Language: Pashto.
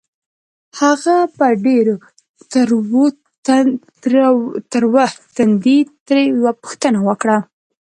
هغه په ډېر تروه تندي ترې يوه پوښتنه وکړه.